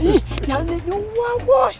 ih jangan nyewa bos